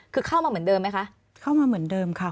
คือเข้ามาเหมือนเดิมไหมคะเข้ามาเหมือนเดิมค่ะ